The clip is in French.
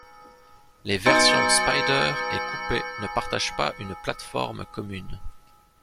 Les versions Spider et Coupé ne partagent pas une plate-forme commune.